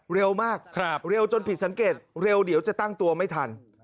เร็วมากเร็วจนผิดสังเกตเร็วเดี๋ยวจะตั้งตัวไม่ทัน